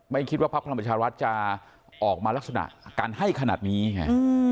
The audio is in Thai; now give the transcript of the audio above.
คิดว่าพักพลังประชารัฐจะออกมาลักษณะการให้ขนาดนี้ไง